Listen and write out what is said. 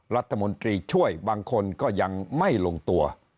รัฐมนตรีช่วยบางคนก็ยังไม่ลงตัว